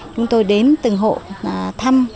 chúng tôi đến từng hộ thăm